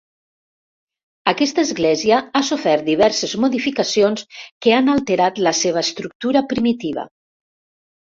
Aquesta església ha sofert diverses modificacions que han alterat la seva estructura primitiva.